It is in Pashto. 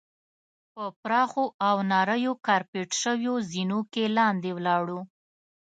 په پراخو او نریو کارپیټ شوو زینو کې لاندې ولاړو.